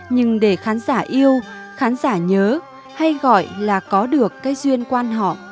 nhưng để khán giả yêu khán giả nhớ hay gọi là có được cái duyên quan họ